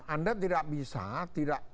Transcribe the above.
anda tidak bisa tidak